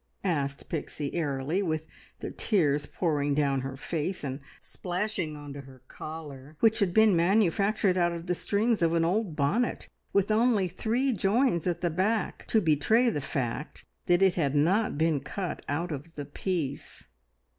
asked Pixie airily, with the tears pouring down her face and splashing on to her collar, which had been manufactured out of the strings of an old bonnet, with only three joins at the back to betray the fact that it had not been cut out of "the piece."